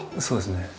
そうですね。